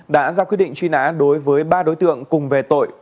đã ra quyết định truy nã đối với ba đối tượng cùng về tội